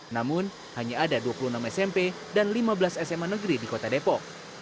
namun hanya ada dua puluh enam smp dan lima belas sma negeri di kota depok